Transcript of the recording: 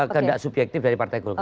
kehendak subjektif dari partai golkar